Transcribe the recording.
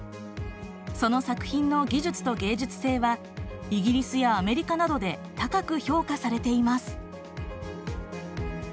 その作品の技術と芸術性はイギリスやアメリカなどで高く評価されています。